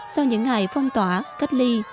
sau những ngày phong tỏa cách ly